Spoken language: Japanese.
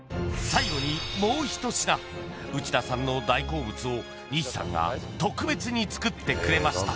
最後にもう一品内田さんの大好物を西さんが特別に作ってくれました